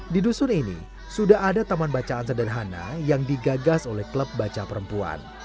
di dusun ini sudah ada taman bacaan sederhana yang digagas oleh klub baca perempuan